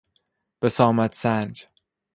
بسامد سنج